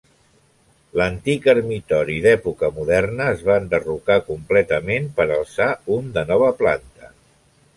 L'antic ermitori d'època moderna es va enderrocar completament per alçar un de nova planta.